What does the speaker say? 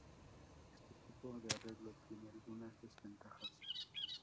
Este tipo de arreglo tiene algunas desventajas.